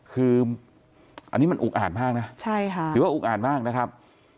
คืออันนี้มันอุกอ่านมากนะใช่ค่ะถือว่าอุกอ่านมากนะครับ